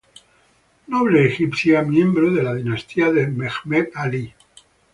Noble egipcia, miembro de la dinastía de Mehmet Alí.